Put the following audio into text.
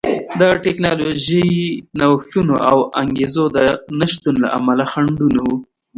د ټکنالوژیکي نوښتونو او انګېزو د نشتون له امله خنډونه وو